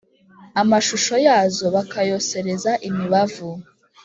amashusho yazo bakayosereza imibavu.